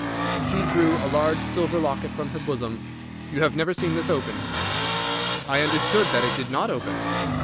She drew a large silver locket from her bosom. "You have never seen this open." "I understood that it did not open."